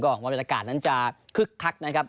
ก็ออกว่าระการนั้นจะคึกคักนะครับ